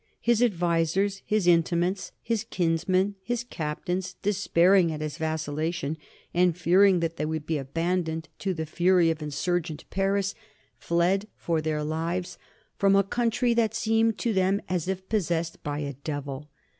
His advisers, his intimates, his kinsmen, his captains, despairing at his vacillation and fearing that they would be abandoned to the fury of insurgent Paris, fled for their lives from a country that seemed to them as if possessed by a devil.